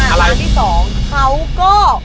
ไข่โยก